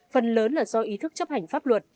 phần lớn là do ý thức chấp hành pháp luật